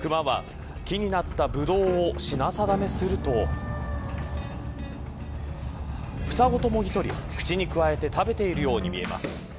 クマは、木になったブドウを品定めすると房ごともぎ取り口にくわえて食べているように見えます。